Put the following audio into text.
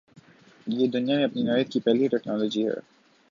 یہ دنیا میں اپنی نوعیت کی پہلی ٹکنالوجی ہے۔